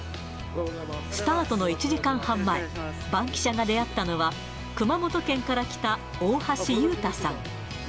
スタートの１時間半前、バンキシャが出会ったのは、熊本県から来た大橋裕太さん。